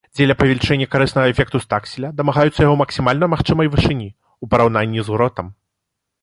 Дзеля павелічэння карыснага эфекту стакселя дамагаюцца яго максімальна магчымай вышыні, у параўнанні з гротам.